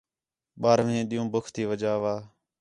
ٻارہویں ݙِین٘ہوں ٻُکھ تی وَجہ وا